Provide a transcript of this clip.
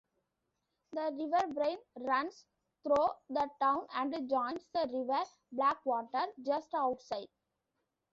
The River Brain runs through the town and joins the River Blackwater just outside.